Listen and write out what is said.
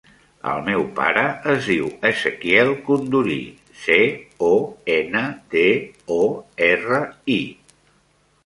El meu pare es diu Ezequiel Condori: ce, o, ena, de, o, erra, i.